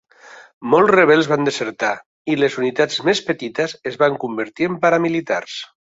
Molts rebels van desertar, i les unitats més petites es van convertir en paramilitars.